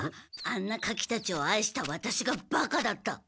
あんな火器たちを愛したワタシがバカだった。